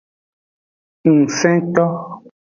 Ngsento.